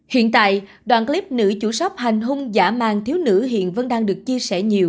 hiện tại đoạn clip nữ chủ shop hành hung giả mang thiếu nữ hiện vẫn đang được chia sẻ nhiều